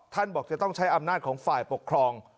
บอกจะต้องใช้อำนาจของฝ่ายปกครอง